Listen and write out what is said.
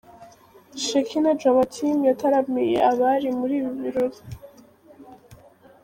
Shekinah Drama team yataramiye abari muri ibi birori.